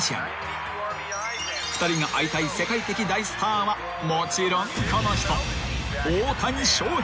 ［２人が会いたい世界的大スターはもちろんこの人］